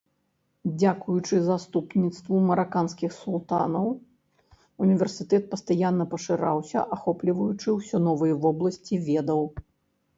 Дзякуючы заступніцтву мараканскіх султанаў універсітэт пастаянна пашыраўся, ахопліваючы ўсе новыя вобласці ведаў.